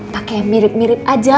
pake yang mirip mirip aja